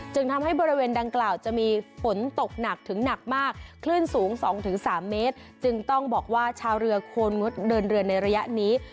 จึงทำให้บริเวณดังกล่าวจะมีฝนตกหนักถึงหนักมากคลื่นสูง๒๓เมตรจึงต้องบอกว่าชาวเรือควรงดเดินเรือในระยะนี้